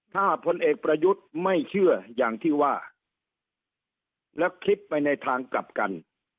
ถ้าพลเอกประยุทธ์ไม่เชื่ออย่างที่ว่าแล้วคลิปไปในทางกลับกัน